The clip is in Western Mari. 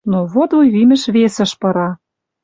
Но вот вуйвимӹш вес ыш пыра. —